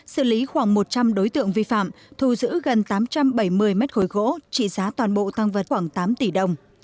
xử lý khoảng một trăm linh đối tượng vi phạm thu giữ gần tám trăm bảy mươi mét khối gỗ trị giá toàn bộ tăng vật khoảng tám tỷ đồng